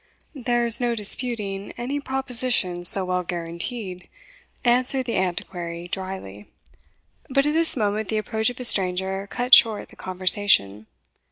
"There is no disputing any proposition so well guaranteed," answered the Antiquary, drily. But at this moment the approach of a stranger cut short the conversation.